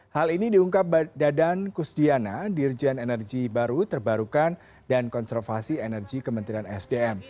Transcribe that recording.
hal ini diungkap dadan kusdiana dirjen energi baru terbarukan dan konservasi energi kementerian sdm